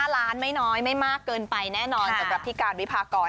๕ล้านไม่น้อยไม่มากเกินไปแน่นอนสำหรับพี่การวิพากร